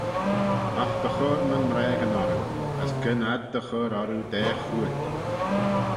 Agh dy chur nyn mraagyn orroo, as gyn ad dy chur orroo daa chooat.